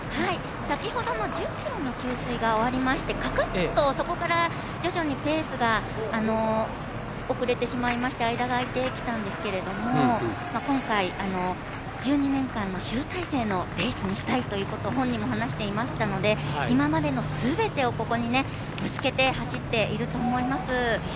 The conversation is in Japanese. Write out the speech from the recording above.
先ほどの１０キロの給水が終わりましてかくっとそこから徐々にペースが遅れてしまいまして間があいてきたんですけれども今回、１２年間の集大成のレースにしたいということを本人も話していましたので今までのすべてをここにぶつけて走っていると思います。